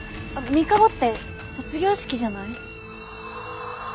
あっ３日後って卒業式じゃない？